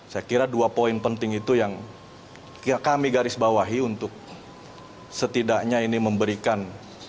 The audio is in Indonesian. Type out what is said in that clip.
saya kira dua poin penting itu yang kami garis bawahi untuk setidaknya ini memberikan